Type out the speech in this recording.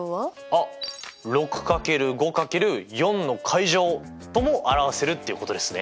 あっ６×５×４！とも表せるっていうことですね！